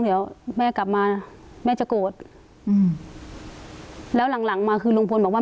เดี๋ยวแม่กลับมาแม่จะโกรธอืมแล้วหลังหลังมาคือลุงพลบอกว่า